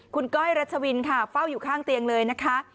คุณก้อยรัชวินค่ะเฝ้าอยู่ข้างเตียงเลยนะคะ